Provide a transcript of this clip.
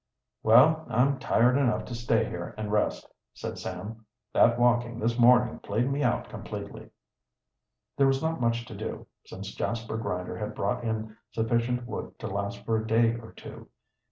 "Well, I'm tired enough to stay here and rest," said Sam. "That walking this morning played me out completely." There was not much to do, since Jasper Grinder had brought in sufficient wood to last for a day or two.